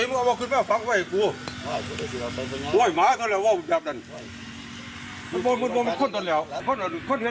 นี่ค่ะเงือนแล้วฟาดปราบเพราะว่าอย่างนี้ไม่มีใครได้ทานตั้งตัวเลย